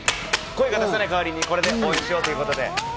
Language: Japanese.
声が出せないかわりに、これで応援しようということで。